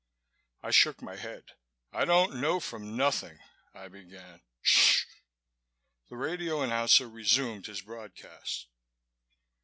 I shook my head. "I don't know from nothing," I began. "Sh!" The radio announcer resumed his broadcast.